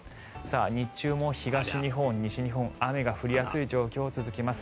日中も東日本、西日本雨が降りやすい状況が続きます。